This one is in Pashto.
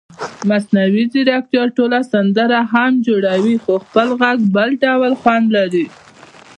مصنوعي ځیرکتیا ټوله سندره هم جوړوي خو خپل غږ بل ډول خوند لري.